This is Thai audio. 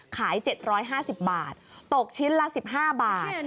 ขาย๗๕๐บาทตกชิ้นละ๑๕บาท